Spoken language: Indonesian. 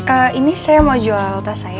eh ini saya mau jual tas saya